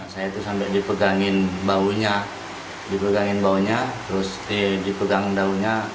saya itu sampai dipegangin baunya dipegangin baunya terus dipegang daunnya